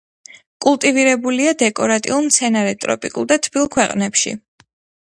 კულტივირებულია დეკორატიულ მცენარედ ტროპიკულ და თბილ ქვეყნებში.